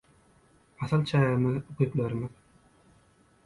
Asyl çägimiz - ukyplarymyz.